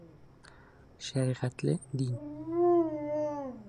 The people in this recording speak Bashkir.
Шәриғәтле дин.